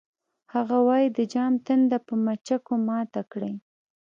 هغه وایی د جام تنده په مچکو ماته کړئ